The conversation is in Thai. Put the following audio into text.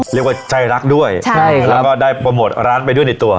เรียกว่าใจรักด้วยใช่ค่ะแล้วก็ได้โปรโมทร้านไปด้วยในตัว